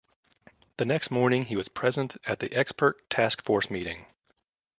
The next morning he was present at the expert task force meeting.